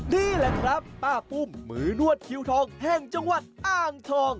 นี่แหละครับป้าปุ้มมือนวดคิวทองแห่งจังหวัดอ้างทอง